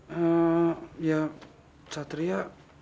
hmm ya satria